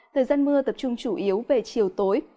thời gian mưa tập trung chủ yếu về chiều tối